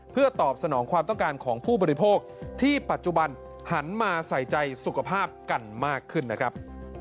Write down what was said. เพื่อตอบสนองความต้องการของผู้บริโภคที่ปัจจุบันหันมาใส่ใจสุขภาพกันมากขึ้นนะครับ